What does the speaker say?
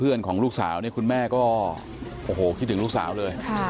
ของลูกสาวเนี่ยคุณแม่ก็โอ้โหคิดถึงลูกสาวเลย